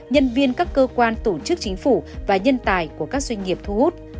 nhân viên các cơ quan tổ chức chính phủ và nhân tài của các doanh nghiệp thu hút